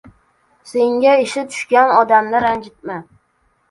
— Senga ishi tushgan odamni ranjitma.